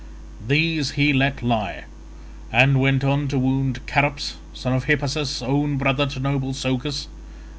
These he let lie, and went on to wound Charops son of Hippasus own brother to noble Socus.